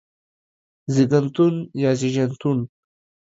زيږنتون يا زيژنتون